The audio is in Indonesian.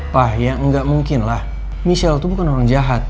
pak ya nggak mungkin lah michelle itu bukan orang jahat